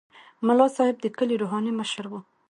ملا صاحب د کلي روحاني مشر وي.